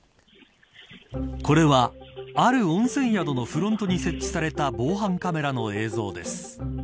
これは、ある温泉宿のフロントに設置された防犯カメラの映像です。